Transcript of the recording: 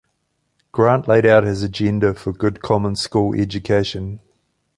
Grant laid out his agenda for good common school education.